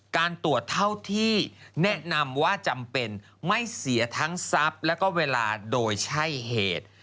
การตรวจเท่าที่แนะนำว่าจำเป็นไม่เสียทั้งทรัพย์แล้วก็เวลาโดยใช่เหตุ